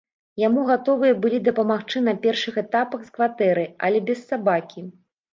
Яму гатовыя былі дапамагчы на першых этапах з кватэрай, але без сабакі.